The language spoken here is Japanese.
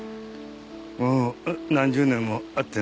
もう何十年も会ってないよ。